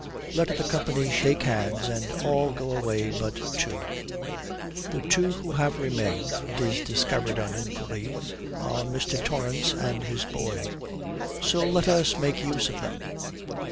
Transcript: Let the company shake hands, and all go away but two. The two who have remained (it is discovered on inquiry) are Mr. Torrance and his boy; so let us make use of them.